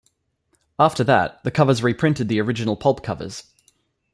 After that, the covers reprinted the original pulp covers.